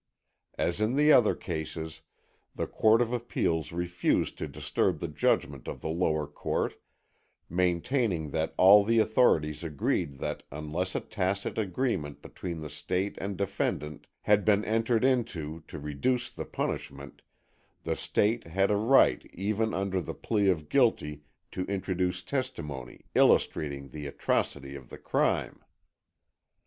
As in the other cases, the Court of Appeals refused to disturb the judgment of the lower court, maintaining that all the authorities agreed that unless a tacit agreement between the State and defendant had been entered into to reduce the punishment, the State had a right even under the plea of guilty to introduce testimony illustrating the atrocity of the crime.